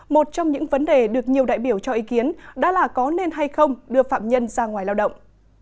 một trong những vấn đề được nhiều đại biểu cho ý kiến đó là có nên hay không đưa phạm nhân ra ngoài lao động